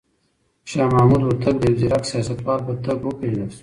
شاه محمود هوتک د يو ځيرک سياستوال په توګه وپېژندل شو.